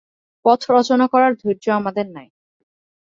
পথ রচনা করার ধৈর্য আমাদের নাই।